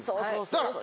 だから。